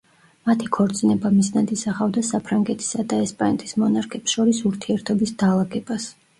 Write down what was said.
მათი ქორწინება მიზნად ისახავდა საფრანგეთისა და ესპანეთის მონარქებს შორის ურთიერთობის დალაგებას.